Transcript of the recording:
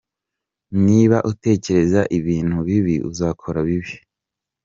Niba utekereza ibintu bibi, uzakora bibi.